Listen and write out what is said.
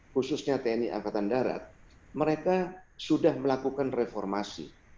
khususnya tni angkatan darat mereka sudah melakukan reformasi